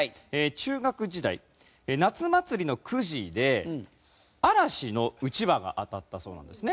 中学時代夏祭りのくじで嵐のうちわが当たったそうなんですね。